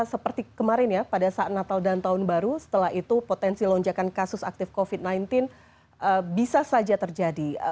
seperti kemarin ya pada saat natal dan tahun baru setelah itu potensi lonjakan kasus aktif covid sembilan belas bisa saja terjadi